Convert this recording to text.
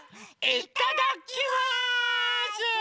いただきます！